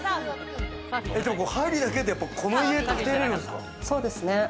針だけでこの家建てられるんそうですね。